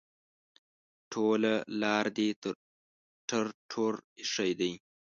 ټوله لار دې ټر ټور ایښی ده.